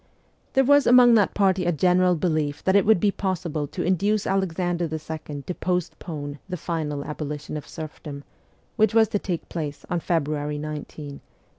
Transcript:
There was among that party a general belief that it would be possible to induce Alexander II. to postpone the final abolition of serfdom, which was to take place on February 19, 1863.